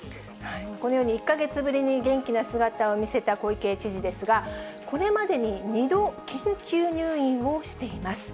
このように、１か月ぶりに元気な姿を見せた小池知事ですが、これまでに２度、緊急入院をしています。